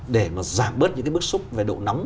để mà giảm bớt những cái bức xúc về độ nóng